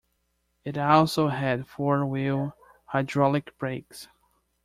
It also had four-wheel hydraulic brakes.